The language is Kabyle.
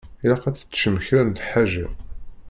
Ilaq ad teččem kra n lḥaǧa.